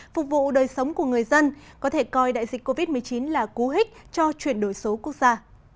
phục vụ đời sống của người dân có thể coi đại dịch covid một mươi chín là cú hích cho chuyển đổi số quốc gia